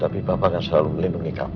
tapi papa akan selalu melindungi kamu